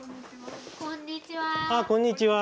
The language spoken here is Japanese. あっこんにちは。